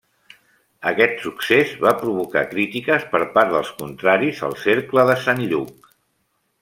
Aquest succés va provocar crítiques per part dels contraris al Cercle de Sant Lluc.